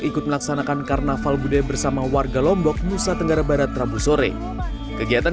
ikut melaksanakan karnaval budaya bersama warga lombok nusa tenggara barat rabu sore kegiatan